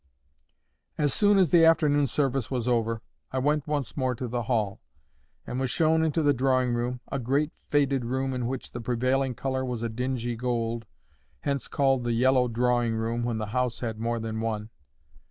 As soon as the afternoon service was over, I went once more to the Hall, and was shown into the drawing room—a great faded room, in which the prevailing colour was a dingy gold, hence called the yellow drawing room when the house had more than one.